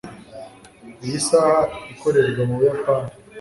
Iyi saha ikorerwa mu Buyapani